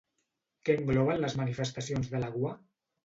Què engloben les Manifestations d'Eleguá?